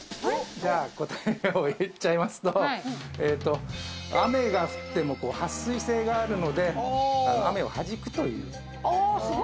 答えを言っちゃいますと、雨が降っても撥水性があるので、雨をはじくという。